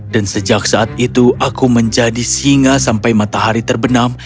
dan sejak saat itu aku menjadi singa sampai matahari terbenam